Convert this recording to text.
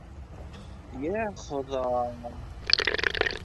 Йә Хоҙа!